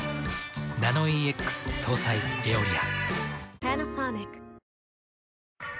ナノイーＸ搭載「エオリア」。